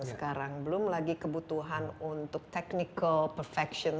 sekarang belum lagi kebutuhan untuk technical perfection